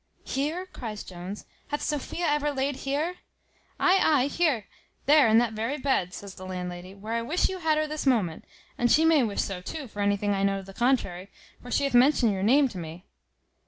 "Here!" cries Jones: "hath Sophia ever laid here?" "Ay, ay, here; there, in that very bed," says the landlady; "where I wish you had her this moment; and she may wish so too for anything I know to the contrary, for she hath mentioned your name to me."